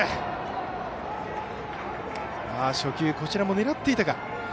初球こちらも狙っていたか。